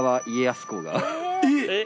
えっ！